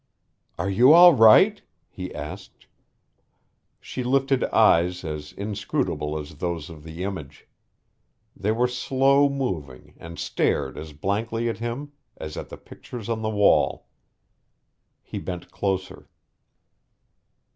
"Are you all right?" he asked. She lifted eyes as inscrutable as those of the image. They were slow moving and stared as blankly at him as at the pictures on the wall. He bent closer.